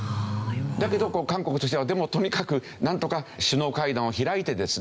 だけど韓国としてはでもとにかくなんとか首脳会談を開いてですね